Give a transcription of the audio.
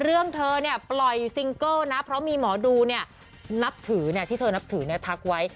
เรื่องเธอปล่อยซิงเกิ้ลนะเพราะมีหมอดูที่เธอนับถือทักไว้